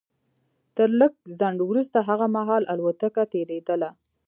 تر لږ ځنډ وروسته هغه مهال الوتکه تېرېدله